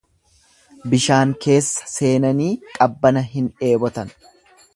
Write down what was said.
Bishaan keessa seenanii qabbana hin dheebotan.